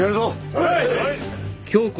はい。